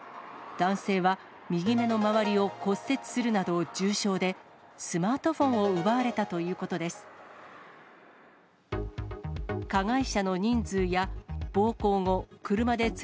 男性は右目の周りを骨折するなど重傷で、スマートフォンを奪われたということです。